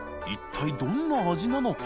祕貘どんな味なのか？